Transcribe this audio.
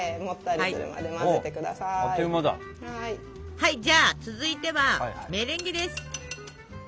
はいじゃあ続いてはメレンゲです。